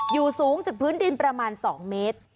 อยู่สูงจากพื้นดินประมาณ๒เมตร